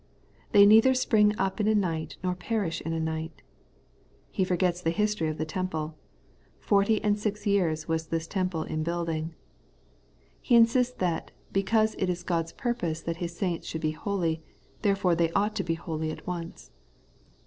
They neither spring up in a night nor perish in a night. He forgets the history of the temple :' Forty and six years was this temple in building.' He insists that, because it is God's purpose that His saints should be holy, therefore they ought to be holy at once.